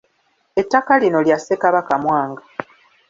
Ettaka lino lya Ssekabaka Mwanga.